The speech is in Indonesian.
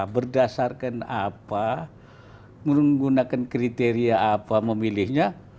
berdasarkan apa menggunakan kriteria apa memilihnya